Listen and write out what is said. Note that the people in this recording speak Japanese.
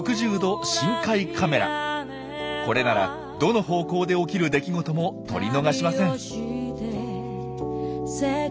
これならどの方向で起きる出来事も撮り逃しません。